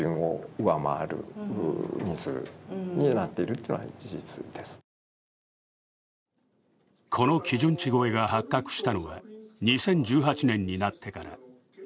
東京電力の担当者はこの基準値超えが発覚したのは２０１８年になってから。